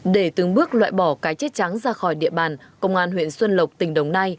để từng bước loại bỏ cái chết trắng ra khỏi địa bàn công an huyện xuân lộc tỉnh đồng nai